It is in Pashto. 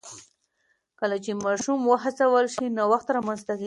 کله چې ماشومان وهڅول شي، نوښت رامنځته کېږي.